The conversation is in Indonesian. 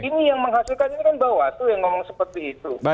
ini yang menghasilkan ini kan bawaslu yang ngomong seperti itu